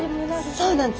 そうなんです。